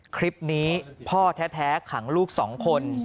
คลิปนี้พ่อแท้ขังลูก๒คน